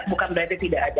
bukan berarti tidak ada